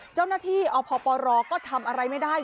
เจ้าหน้าที่อพปรก็ทำอะไรไม่ได้